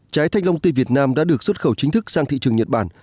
trái thanh long tê việt nam đã được xuất khẩu chính thức sang thị trường nhật bản